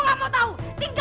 tinggalkan tempat ini